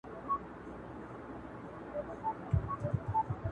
نه مي چیغي سوای تر کوره رسېدلای -